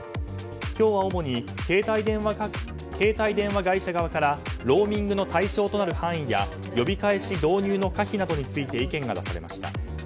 今日は主に携帯電話会社側からローミングの対象となる範囲や呼び返し導入の可否について意見が出されました。